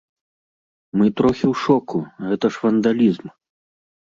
Мы трохі ў шоку, гэта ж вандалізм.